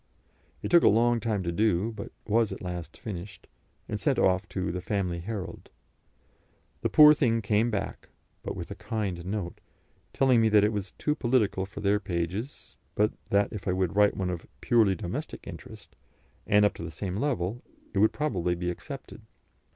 It took a long time to do, but was at last finished, and sent off to the Family Herald. The poor thing came back, but with a kind note, telling me that it was too political for their pages, but that if I would write one of "purely domestic interest," and up to the same level, it would probably be accepted.